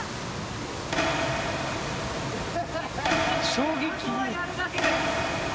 衝撃。